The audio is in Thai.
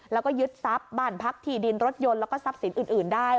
แล้วก็ยึดทรัพย์บ้านพักที่ดินรถยนต์แล้วก็ทรัพย์สินอื่นได้